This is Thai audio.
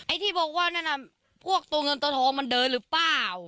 ที่บอกว่านั่นน่ะพวกตัวเงินตัวทองมันเดินหรือเปล่า